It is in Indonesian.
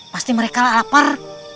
pasti mereka lapar